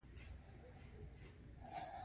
وروسته د ډوډۍ خوړلو اروپايي طرز غلبه وکړه.